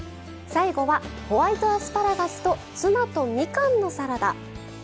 最後はホワイトアスパラガスとツナとみかんのサラダ。